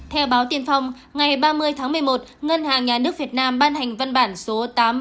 theo báo tiêm phòng ngày ba mươi tháng một mươi một ngân hàng nhà nước việt nam ban hành văn bản số tám nghìn bốn trăm năm mươi tám